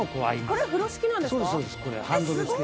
これ風呂敷なんですか？